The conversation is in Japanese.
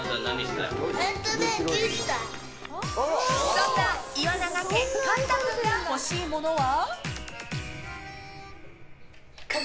そんな岩永家貫汰君が欲しいものは？